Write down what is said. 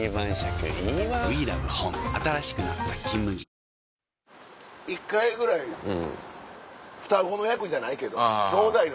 お化けフォーク⁉一回ぐらい双子の役じゃないけどきょうだいの役。